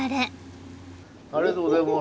ありがとうございます！